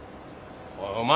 おいお前